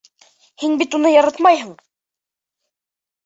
Һин бит уны яратмайһың!